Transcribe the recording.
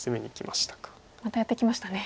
またやってきましたね。